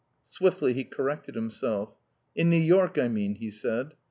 Swiftly he corrected himself. "In New York, I mean!" he said.